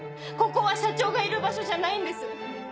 ここは社長がいる場所じゃないんです！